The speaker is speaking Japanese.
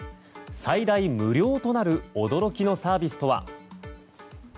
最大無料となる驚きのサービスとは。